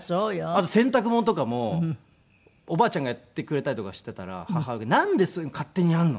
あと洗濯物とかもおばあちゃんがやってくれたりとかしていたら母親が「なんでそういうの勝手にやるの？」